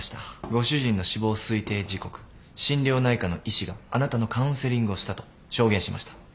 ご主人の死亡推定時刻心療内科の医師があなたのカウンセリングをしたと証言しました。